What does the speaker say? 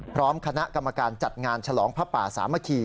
พร้อมคณะกรรมการจัดงานฉลองพระป่าสามัคคี